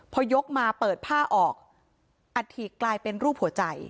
พอยกมาเปิดผ้าออกอัฐิกลายเป็นรูปหัวใจ